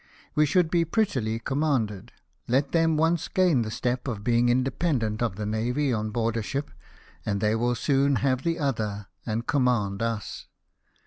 We should be prettily commanded ! Let them once gain the step of being independent of the navy on board a ship, and they Avill soon have the other, and command us.